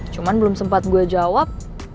cuma belum sempat gue jawab